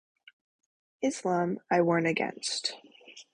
Islam, I warn against.